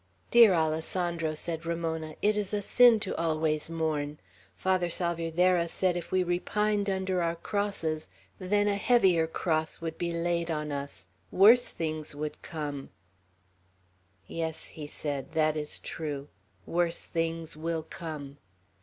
"Dear Alessandro," said Ramona, "it is a sin to always mourn. Father Salvierderra said if we repined under our crosses, then a heavier cross would be laid on us. Worse things would come." "Yes," he said. "That is true. Worse things will come."